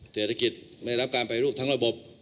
เศรษฐกิจไม่รับการไปรูปทั้งระบบ